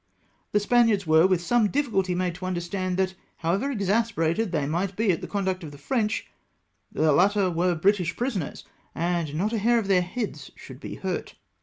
The Spaniards were with some difficulty made to understand that, however exasperated they might be at the conduct of the French, the latter were British prisoners, and not a hair of their heads should be hurt.